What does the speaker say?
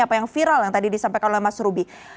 apa yang viral yang tadi disampaikan oleh mas rubi